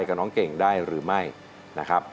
ขอบคุณค่ะ